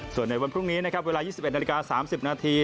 ส่วนในวันพรุ่งนี้นะครับเวลา๒๑นาฬิกา๓๐นาที